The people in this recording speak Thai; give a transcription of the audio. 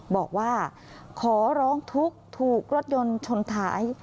บอกว่าขอร้องทุกข์ถูกรถยนต์ชนท้าย